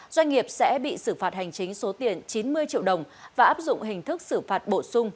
doanh nghiệp sẽ bị xử phạt hành chính số tiền chín mươi triệu đồng và áp dụng hình thức xử phạt bổ sung